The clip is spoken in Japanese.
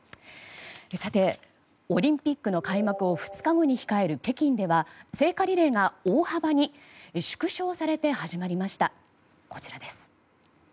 オリンピックの開幕を２日後に控える北京では聖火リレーが大幅に縮小されて始まりました。